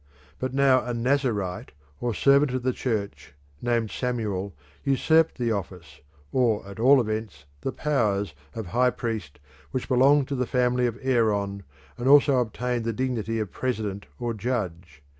But now a Nazarite or servant of the Church, named Samuel, usurped the office, or at all events the powers, of high priest which belonged to the family of Aaron, and also obtained the dignity of president or judge.